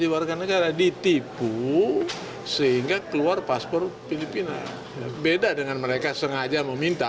beda dengan mereka sengaja meminta